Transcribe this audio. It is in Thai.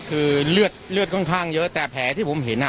คือเลือดเลือดค่อนข้างเยอะแต่แผลที่ผมเห็นอ่ะ